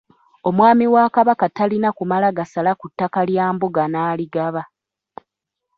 Omwami wa Kabaka talina kumala gasala ku ttaka lya mbuga n'aligaba.